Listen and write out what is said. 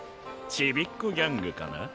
チビッ子ギャングかな？